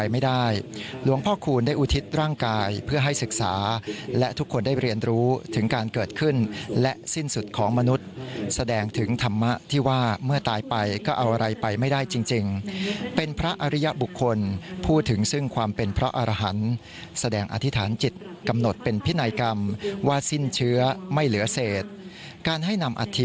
ไม่ได้หลวงพ่อคูณได้อุทิศร่างกายเพื่อให้ศึกษาและทุกคนได้เรียนรู้ถึงการเกิดขึ้นและสิ้นสุดของมนุษย์แสดงถึงธรรมะที่ว่าเมื่อตายไปก็เอาอะไรไปไม่ได้จริงเป็นพระอริยบุคคลพูดถึงซึ่งความเป็นพระอารหันต์แสดงอธิษฐานจิตกำหนดเป็นพินัยกรรมว่าสิ้นเชื้อไม่เหลือเศษการให้นำอธิ